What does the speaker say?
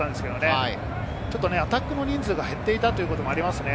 アタックの人数が減っていたということもありますよね。